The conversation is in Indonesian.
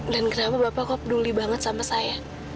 dan kenapa bapak kok peduli banget sama saya